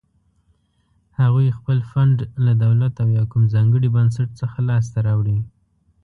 هغوی خپل فنډ له دولت او یا کوم ځانګړي بنسټ څخه لاس ته راوړي.